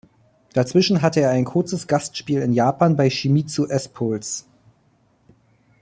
Dazwischen hatte er ein kurzes Gastspiel in Japan bei Shimizu S-Pulse.